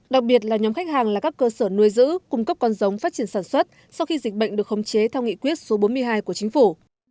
đặc biệt là nhóm khách hàng là các cơ sở nuôi giữ cung cấp con giống phát triển sản xuất sau khi dịch bệnh được khống chế theo nghị quyết số bốn mươi hai của chính phủ